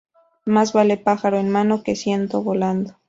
Más vale pájaro en mano que ciento volando